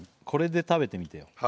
これで食べてみてよ